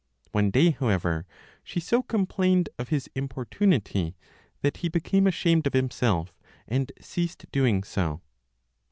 One day, however, she so complained of his importunity that he became ashamed of himself, and ceased doing so.